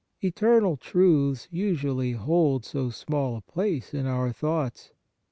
Eternal truths usually hold so small a place in our thoughts !